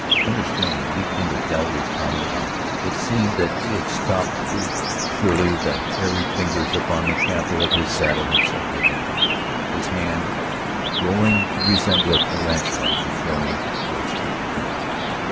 Understanding leaped into Galloway's prominent eyes; it seemed that he had stopped breathing; surely the hairy fingers upon the cantle of his saddle had separated a little, his hand growing to resemble a tarantula preparing for its brief spring.